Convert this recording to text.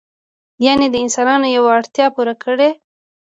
یعنې د انسانانو یوه اړتیا پوره کړي.